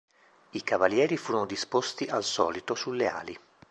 I cavalieri furono disposti, al solito, sulle ali.